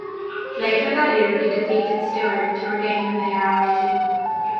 Later that year he defeated Stewart to regain the mayoralty.